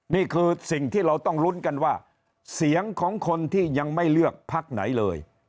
นี่คือสิ่งที่เราต้องลุ้นกันว่าเสียงของคนที่ยังไม่เลือกพักไหนเลย